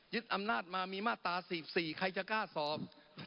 ยึดอำนาจมามีมาตราสีบสี่ใครจะกล้าสอบ